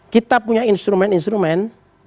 kita punya instrumen instrumen